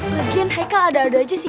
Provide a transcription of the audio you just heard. lagian haikal ada ada aja sih